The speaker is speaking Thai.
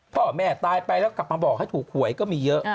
พ่อแม่ตายไปแล้วกลับมาบอกให้ถูกหวยก็มีเยอะ